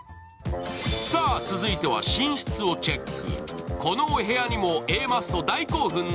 続いては寝室をチェック。